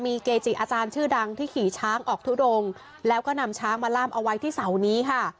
มีเกจิอาจารย์ชื่อดังที่ขี่ช้างออกทุดงแล้วก็นำช้างมาล่ามเอาไว้ที่เสานี้ค่ะ